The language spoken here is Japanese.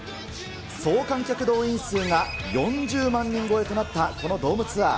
総観客動員数が４０万人超えとなったこのドームツアー。